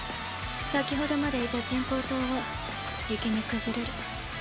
先ほどまでいた人工島はじきに崩れる。